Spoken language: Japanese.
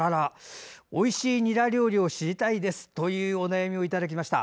おいしいニラ料理を知りたいですというお悩みをいただきました。